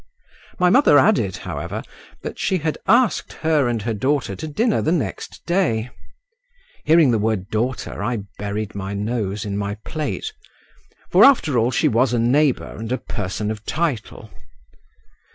My mother added, however, that she had asked her and her daughter to dinner the next day (hearing the word "daughter" I buried my nose in my plate), for after all she was a neighbour and a person of title.